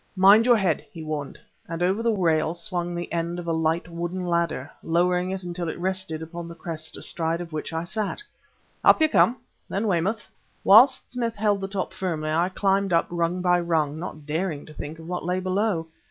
"Mind your head!" he warned and over the rail swung the end of a light wooden ladder, lowering it until it rested upon the crest astride of which I sat. "Up you come! then Weymouth!" Whilst Smith held the top firmly, I climbed up rung by rung, not daring to think of what lay below.